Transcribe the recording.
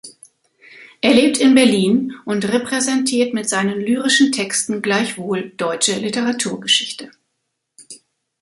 Er lebt in Berlin und repräsentiert mit seinen lyrischen Texten gleichwohl deutsche Literaturgeschichte.